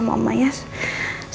semoga semuanya bakal baik baik aja ya